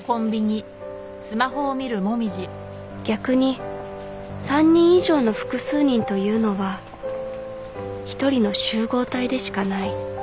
逆に３人以上の複数人というのは１人の集合体でしかない